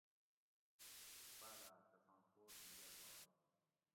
باٞلاٞ تساں کوٹ نہ گڑبائ